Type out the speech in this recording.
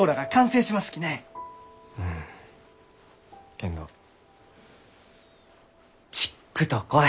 けんどちっくと怖い。